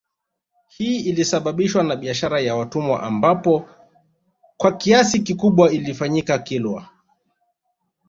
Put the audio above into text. Hii ilisababishwa na bishara ya watumwa ambapo kwa kiasi kikubwa ilifanyika Kilwa